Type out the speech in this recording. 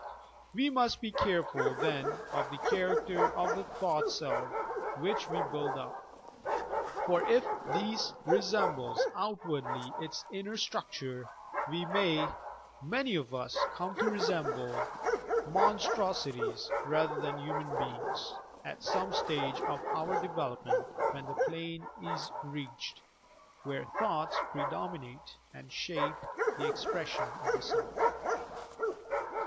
We must be careful, then, of the character of the thought self which we build up, for if this resembles outwardly its inner structure, we may (many of us) come to resemble monstrosities rather than human beings, at some stage of our development, when the plane is reached where thoughts predominate and shape the expression of the self!